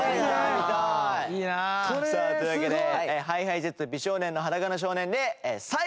見たい！さあというわけでＨｉＨｉＪｅｔｓと美少年の『裸の少年』で最後のＤＶＤです。